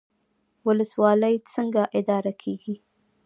ولسوالۍ څنګه اداره کیږي؟